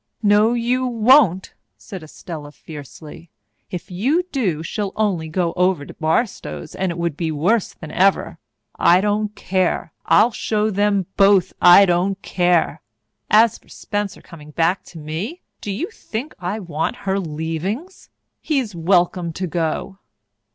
"No, you won't!" said Estella fiercely. "If you do, she'll only go over to Barstows', and it would be worse than ever. I don't care I'll show them both I don't care! As for Spencer coming back to me, do you think I want her leavings? He's welcome to go."